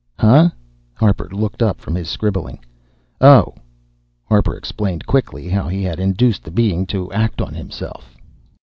"Huh?" Harper looked up from his scribbling. "Oh." Harper explained quickly how he had induced the Being to act on himself.